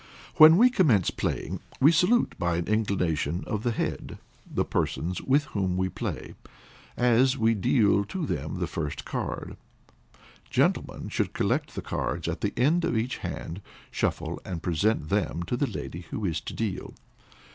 When we commence playing, we salute, by an inclination of the head, the persons with whom we play, as we deal to them the first card. Gentlemen should collect the cards at the end of each hand, shuffle, and present them to the lady who is to deal.